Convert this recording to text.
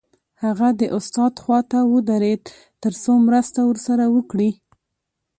هغه د استاد خواته ودرېد تر څو مرسته ورسره وکړي